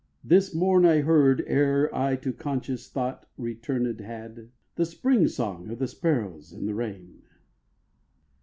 This morn I heard, Ere I to conscious thought returnéd had, The spring song of the sparrows in the rain.